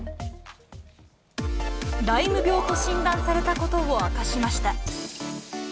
ライム病と診断されたことを明かしました。